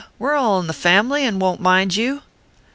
We re all in the family, and won t mind you.